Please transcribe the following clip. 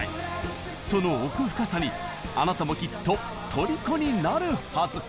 その奥深さにあなたもきっとトリコになるはず！